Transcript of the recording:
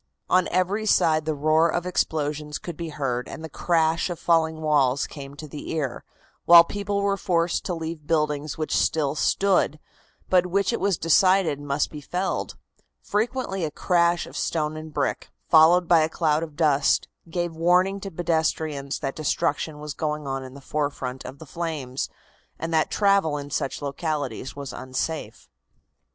On every side the roar of explosions could be heard, and the crash of falling walls came to the ear, while people were forced to leave buildings which still stood, but which it was decided must be felled. Frequently a crash of stone and brick, followed by a cloud of dust, gave warning to pedestrians that destruction was going on in the forefront of the flames, and that travel in such localities was unsafe.